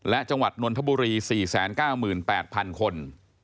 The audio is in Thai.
และจังหวัดนนทบุรี๔๙๘๐๐๐คน